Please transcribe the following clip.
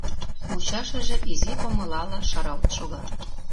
Мучашыже изи помылала шаралт шога.